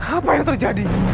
apa yang terjadi